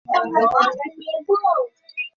আমি হইলে তো মরিয়া গেলেও পারি না।